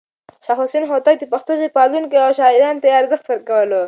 شاه حسين هوتک د پښتو ژبې پالونکی و او شاعرانو ته يې ارزښت ورکولو.